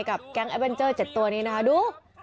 แก๊งแอเวนเจอร์๗ตัวนี้นะคะดู